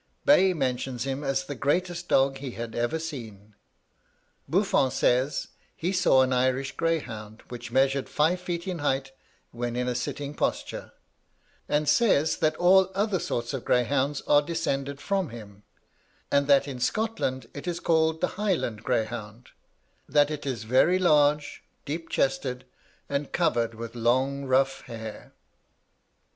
Bay mentions him as the greatest dog he had ever seen. Buffon says, he saw an Irish greyhound, which measured five feet in height when in a sitting posture, and says that all other sorts of greyhounds are descended from him, and that in Scotland it is called the Highland greyhound: that it is very large, deep chested, and covered with long rough hair.